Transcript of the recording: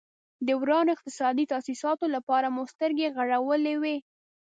د ورانو اقتصادي تاسیساتو لپاره مو سترګې غړولې وې.